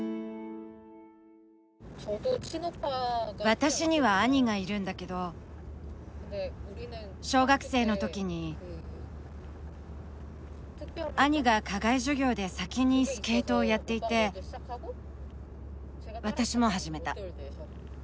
私には兄がいるんだけど小学生の時に兄が課外授業で先にスケートをやっていて私も始めた。